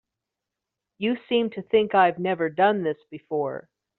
You seem to think I've never done this before.